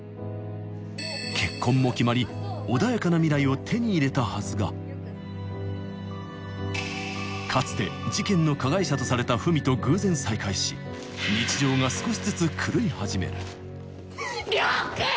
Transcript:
結婚も決まり穏やかな未来を手に入れたはずがかつて事件の加害者とされた文と偶然再会し亮君！